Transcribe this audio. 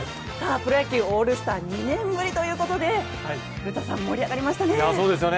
プロ野球、オールスター２年ぶりということで古田さん、盛り上がりましたね！